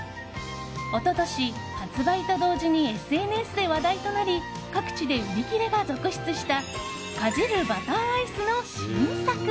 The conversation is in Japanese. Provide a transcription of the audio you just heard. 一昨年、発売と同時にＳＮＳで話題となり各地で売り切れが続出したかじるバターアイスの新作。